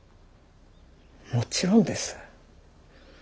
もちろんです。